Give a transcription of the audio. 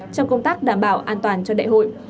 trong công tác đảm bảo an toàn cho đại hội